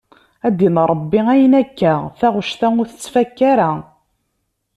A ddin Ṛebbi ayen akka taɣect-a ur tettfakka ara.